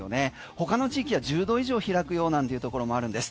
他の地域は１０度以上開くよなんていうところもあるんです。